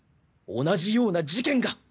同じような事件が。